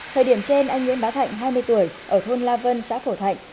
thời điểm trên anh nguyễn bá thạnh hai mươi tuổi ở thôn la vân xã phổ thạnh